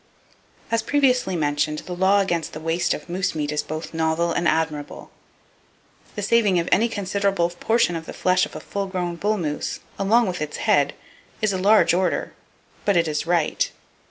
As previously mentioned, the law against the waste of moose meat is both novel and admirable. The saving of any considerable portion of the flesh of a full grown bull moose, along with its head, is a large order; but it is right.